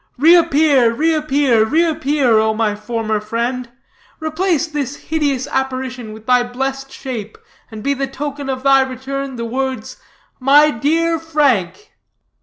"Reappear, reappear, reappear, oh, my former friend! Replace this hideous apparition with thy blest shape, and be the token of thy return the words, 'My dear Frank.'"